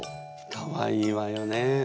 かわいいわよね。